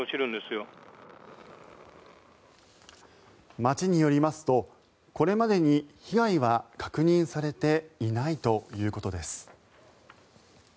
町によりますとこれまでに被害は確認されていないということです。